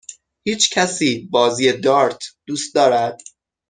هیچکسی بازی دارت دوست دارد؟